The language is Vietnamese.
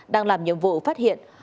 đang làm nhiệm vụ phát hiện